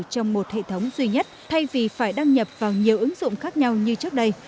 trong một hệ thống duy nhất thay vì phải đăng nhập vào nhiều ứng dụng khác nhau như trước đây